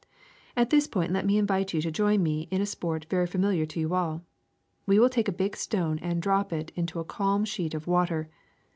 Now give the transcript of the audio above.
*^At this point let me invite you to join me in a sport very familiar to you all. We will take a big stone and drop it into a calm sheet of water.